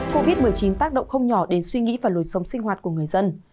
covid một mươi chín tác động không nhỏ đến suy nghĩ và lối sống sinh hoạt của người dân